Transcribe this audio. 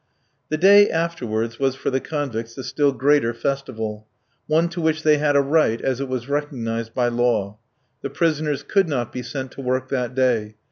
The day afterwards was for the convicts a still greater festival, one to which they had a right, as it was recognised by law. The prisoners could not be sent to work that day.